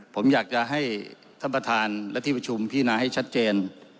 ผมอยากจะให้ท่านประธานและที่ประชุมพินาให้ชัดเจน